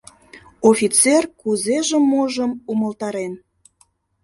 Офицер кузежым-можым умылтарен.